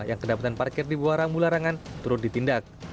yang kedapatan parkir di bawah rambu larangan turut ditindak